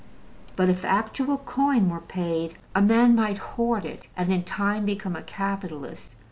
But if actual coin were paid, a man might hoard it and in time become a capitalist.